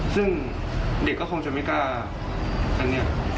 ซึ่งเด็กก็คงจะไม่กล้าอันนี้